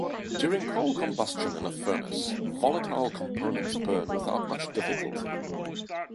During coal combustion in a furnace, volatile components burn without much difficulty.